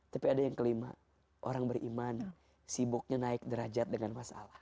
tapi ada yang kelima orang beriman sibuknya naik derajat dengan masalah